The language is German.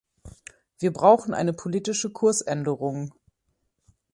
Wir brauchen eine politische Kursänderung.